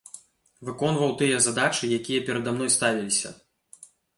Выконваў тыя задачы, якія перада мной ставілася.